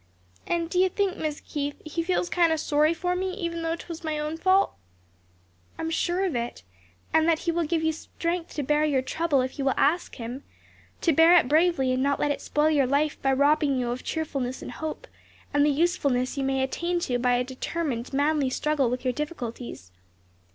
And do you think, Mis' Keith, He feels kind o' sorry for me even though 'twas my own fault?" "I am sure of it; and that He will give you strength to bear your trouble if you will ask Him; to bear it bravely and not let it spoil your life by robbing you of cheerfulness and hope, and the usefulness you may attain to by a determined, manly struggle with your difficulties.